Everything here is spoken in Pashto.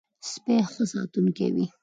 سپي ښه ساتونکی وي.